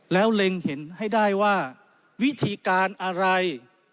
แล้วเล็งเห็นให้ได้ว่าวิธีการอะไร